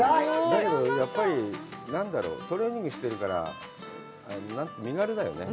だけど、やっぱり何だろう、トレーニングしてるから、身軽だよね。